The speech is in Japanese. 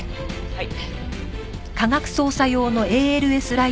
はい。